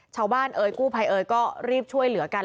เอ่ยกู้ภัยเอ่ยก็รีบช่วยเหลือกัน